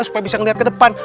supaya bisa melihat ke depan